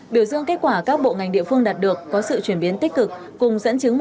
biểu dương kết quả các bộ ngành địa phương đạt được có sự chuyển biến tích cực